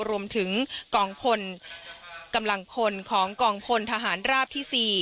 รวมถึงกองพลกำลังพลของกองพลทหารราบที่๔